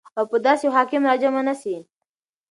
او په داسي يو حاكم راجمع نسي